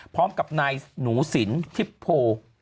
พร้อมกับนายหนูสินทิพโพ